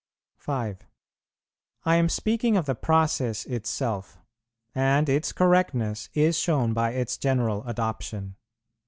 5. I am speaking of the process itself, and its correctness is shown by its general adoption.